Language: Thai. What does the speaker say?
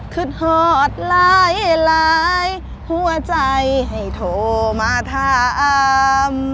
ขึ้นหอดหลายหลายหัวใจให้โทรมาถาม